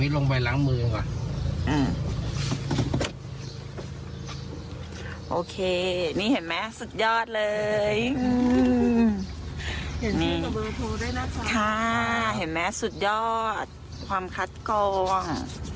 แล้วก็ความคัดกรอง